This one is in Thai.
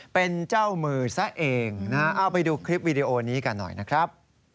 เป็นเจ้ามือซะเองนะฮะเอาไปดูคลิปวีดีโอนี้กันหน่อยนะครับ